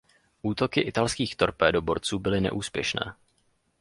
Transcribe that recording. Útoky italských torpédoborců byly neúspěšné.